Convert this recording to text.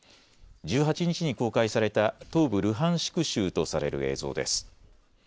１８日に公開された東部ルハンシク州とされる映像です。